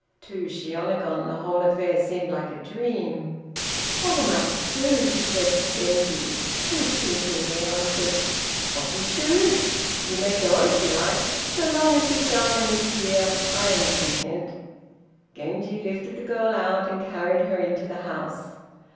To Shiônagon the whole affair seemed like a dream. "What am I to do?" she said to Genji, who teasingly answered, "What you choose. You may go if you like; so long as this darling is here I am content." Genji lifted the girl out and carried her into the house.